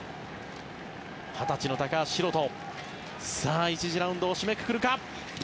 二十歳の高橋宏斗１次ラウンドを締めくくるか。